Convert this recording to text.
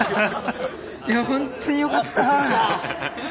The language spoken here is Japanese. いやホントによかった。